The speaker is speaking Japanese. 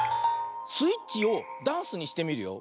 スイッチをダンスにしてみるよ。